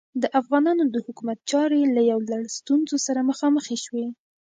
د افغانانو د حکومت چارې له یو لړ ستونزو سره مخامخې شوې.